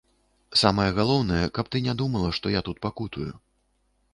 Самае галоўнае, каб ты не думала, што я тут пакутую.